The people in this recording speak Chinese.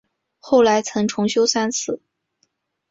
后来曾重修三次。